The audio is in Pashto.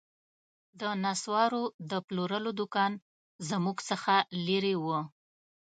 د نسوارو د پلورلو دوکان زموږ څخه لیري و